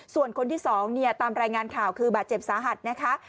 ส่วนคนที่๒เนี่ยตามรายงานข่าวคือบาดเจ็บสาหัสนะคะ